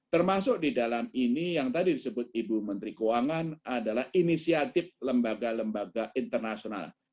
termasuk di dalam ini yang tadi disebut ibu menteri keuangan adalah inisiatif lembaga lembaga internasional